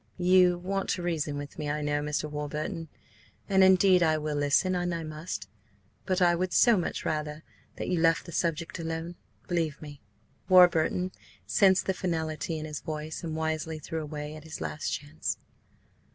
"You want to reason with me, I know, Mr. Warburton, and, indeed, I will listen an I must. But I would so much rather that you left the subject alone, believe me." Warburton sensed the finality in his voice, and wisely threw away his last chance.